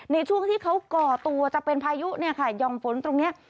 ในช่วงที่เขาก่อตัวจะเป็นพายุเนี่ยค่ะย่อมฝนตรงนี้